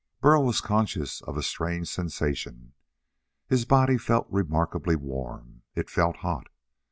Burl was conscious of a strange sensation. His body felt remarkably warm. It felt hot.